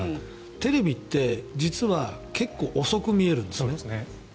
テレビって実は、なんでも結構、遅く見えるんですね。